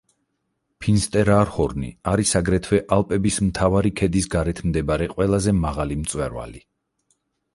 ფინსტერაარჰორნი არის აგრეთვე ალპების მთავარი ქედის გარეთ მდებარე ყველაზე მაღალი მწვერვალი.